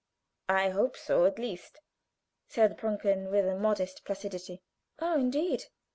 "I hope so, at least," said Brunken, with a modest placidity. "Oh, indeed!"